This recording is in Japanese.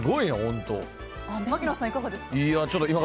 槙野さん、いかがですか？